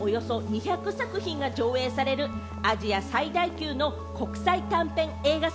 およそ２００作品が上映されるアジア最大級の国際短編映画祭。